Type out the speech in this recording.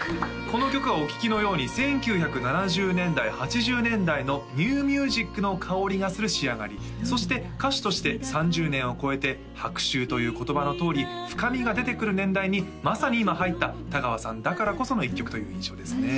この曲はお聴きのように１９７０年代８０年代のニューミュージックのかおりがする仕上がりそして歌手として３０年をこえて「白秋」という言葉のとおり深みが出てくる年代にまさに今入った田川さんだからこその一曲という印象ですね